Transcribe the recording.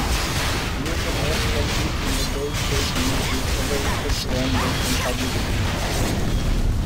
Newton North competes in the Bay State League with other suburban Boston public schools.